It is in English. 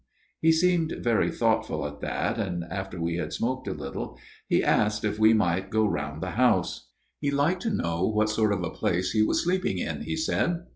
" He seemed very thoughtful at that, and after FATHER MADDOX'S TALE 221 we had smoked a little he asked if we might go round the house. He liked to know what sort of a place he was sleeping in, he said.